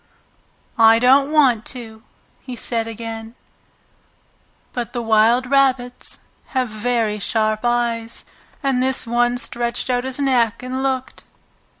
"I don't want to!" he said again. But the wild rabbits have very sharp eyes. And this one stretched out his neck and looked.